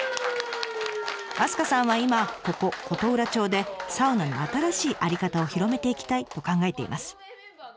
明日香さんは今ここ琴浦町でサウナの新しい在り方を広めていきたいと考えています。